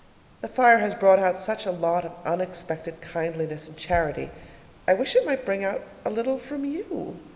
The fire has brought out such a lot of unexpected kindliness and charity, I wish it might bring out a little from you.